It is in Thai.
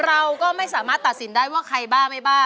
เราก็ไม่สามารถตัดสินได้ว่าใครบ้าไม่บ้า